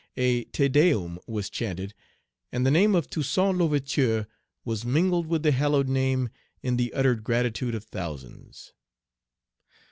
A Te Deum was chanted, and the name of Toussaint L'Ouverture was mingled with the Hallowed Name in the uttered gratitude of thousands.